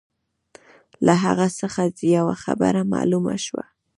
له هغه څخه یوه خبره معلومه شوه.